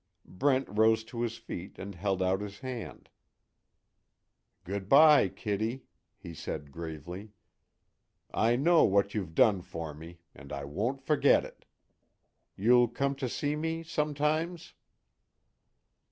Brent rose to his feet and held out his hand: "Good bye, Kitty," he said, gravely. "I know what you've done for me and I won't forget it. You'll come to see me sometimes?"